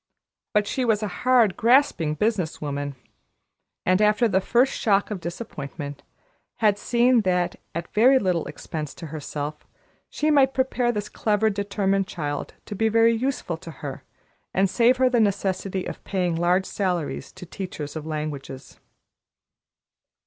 But she was a hard, grasping business woman; and, after the first shock of disappointment, had seen that at very little expense to herself she might prepare this clever, determined child to be very useful to her and save her the necessity of paying large salaries to teachers of languages.